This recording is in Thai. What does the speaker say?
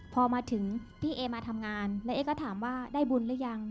พอมาถึงพี่เอมาทำงานแล้วเอ๊ก็ถามว่าได้บุญหรือยัง